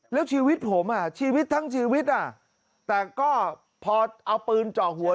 แล้วชีวิตผมอ่ะชีวิตทั้งชีวิตแต่ก็พอเอาปืนเจาะหัว